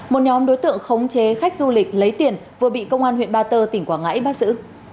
một nhóm đối tượng khống chế khách du lịch lấy tiền vừa bị công an huyện ba tơ tỉnh quảng ngãi bắt giữ